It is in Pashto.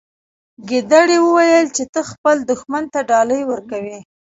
ګیدړې وویل چې ته خپل دښمن ته ډالۍ ورکوي.